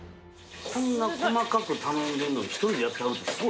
こんな細かく頼んでんのに一人でやってはるってすごい。